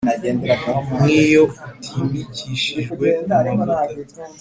nk’iyo utimikishijwe amavuta